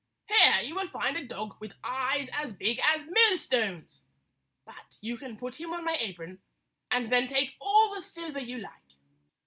Here you will find a dog with eyes as big as millstones, but you can put him on my apron and then take all the silver you like.